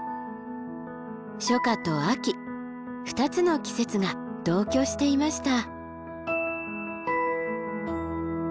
初夏と秋２つの季節が同居していました。